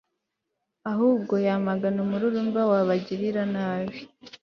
ahubwo yamagana umururumba w'abagiranabi